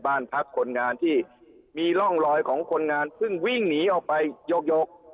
บ้านพักคนงานที่มีร่องรอยของคนงานเพิ่งวิ่งหนีออกไปยก